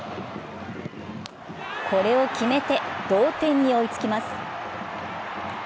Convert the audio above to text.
これを決めて同点に追いつきます。